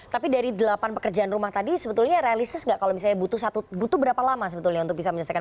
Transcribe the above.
tapi dari delapan pekerjaan rumah tadi sebetulnya realistis nggak kalau misalnya butuh berapa lama sebetulnya untuk bisa menyelesaikan